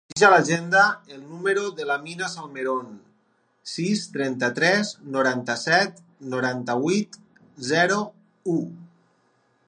Afegeix a l'agenda el número de l'Amina Salmeron: sis, trenta-tres, noranta-set, noranta-vuit, zero, u.